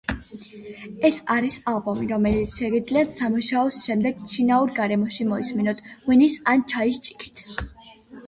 ეს არის ალბომი, რომელიც შეგიძლიათ სამუშაოს შემდეგ შინაურ გარემოში მოისმინოთ, ღვინის ან ჩაის ჭიქით.